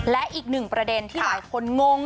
และอีกหนึ่งประเด็นที่หลายคนงง